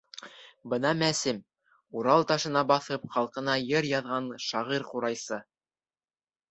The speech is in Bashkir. Бына Мәсем: Урал ташына баҫып, халҡына йыр яҙған шағир ҡурайсы...